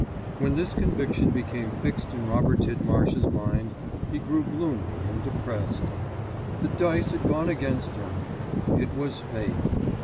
When this conviction became fixed in Robert Tidmarsh's mind, he grew gloomy and depressed. The dice had gone against him. It was fate.